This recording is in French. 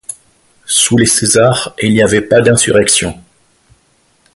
Sous les Césars, il n'y avait pas d'insurrection.